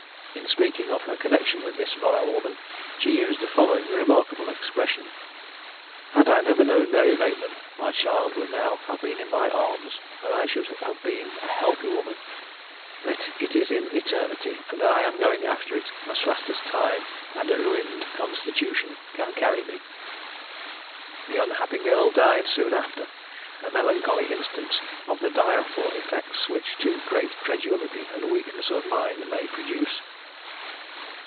In speaking of her connexion with this vile woman, she used the following remarkable expression: "Had I never known Mary Bateman, my child would now have been in my arms, and I should have been a healthy woman but it is in eternity, and I am going after it as fast as time and a ruined constitution can carry me." The unhappy girl died soon after, a melancholy instance of the direful effects which too great credulity and weakness of mind may produce.